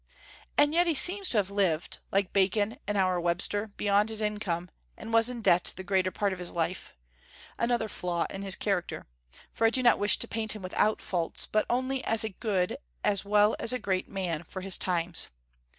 And yet he seems to have lived, like Bacon and our Webster, beyond his income, and was in debt the greater part of his life, another flaw in his character; for I do not wish to paint him without faults, but only as a good as well as a great man, for his times.